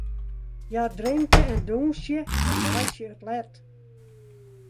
Hja drinke en dûnsje en meitsje it let.